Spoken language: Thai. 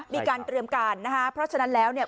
มีการเตรียมการนะคะเพราะฉะนั้นแล้วเนี่ย